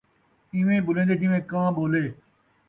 اینویں ٻولیندے جینویں کاں ٻولے